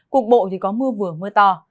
cục bộ thì có mưa vừa mưa to